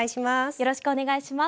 よろしくお願いします。